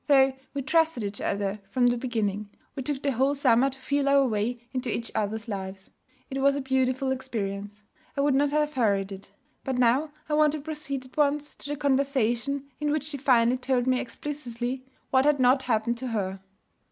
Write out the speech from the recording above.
Though we trusted each other from the beginning, we took the whole summer to feel our way into each other's lives. It was a beautiful experience. I would not have hurried it. But now I want to proceed at once to the conversation in which she finally told me explicitly what had not happened to her.